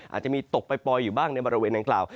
อาจจะมีตกปล่อยอยู่บ้างในบริเวณดังกล่าว